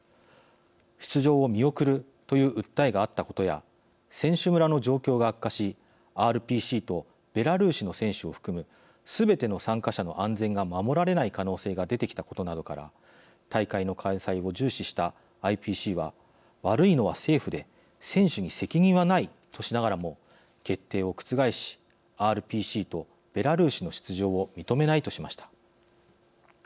出場を見送るという訴えがあったことや選手村の状況が悪化しＲＰＣとベラルーシの選手を含むすべての参加者の安全が守られない可能性が出てきたことなどから大会の開催を重視したＩＰＣは悪いのは政府で選手に責任はないとしながらも決定を覆しＲＰＣとベラルーシの出場を認めないとしました。